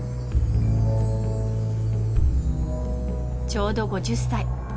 ちょうど５０歳。